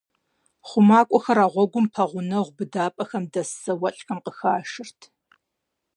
ХъумакӀуэхэр а гъуэгум пэгъунэгъу быдапӀэхэм дэс зауэлӀхэм къыхашырт.